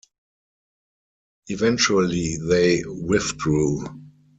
Eventually they withdrew.